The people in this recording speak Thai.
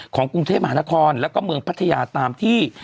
ของกรุงเทพมหานครแล้วก็เมืองพัทยาตามที่